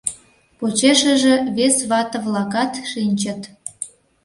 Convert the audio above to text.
Почешыже вес вате-влакат шинчыт.